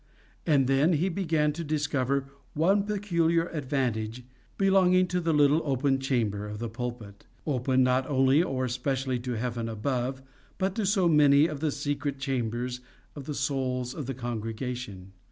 And then he began to discover one peculiar advantage belonging to the little open chamber of the pulpit open not only or specially to heaven above, but to so many of the secret chambers of the souls of the congregation.